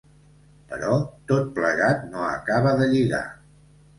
Però tot plegat no acaba de lligar.